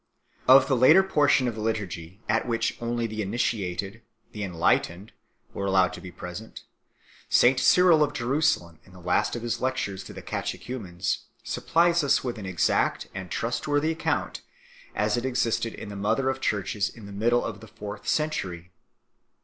379 Of the later portion of the Liturgy, at which only the in itiated, the enlightened, were allowed to be present, St Cyril of Jerusalem, in the last of his lectures to his catechumens 1 , supplies us with an exact and trustworthy account, as it existed in the mother of Churches in the middle of the fourth century.